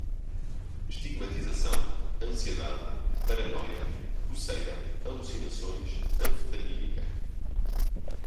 estigmatização, ansiedade, paranoia, coceira, alucinações, anfetamínica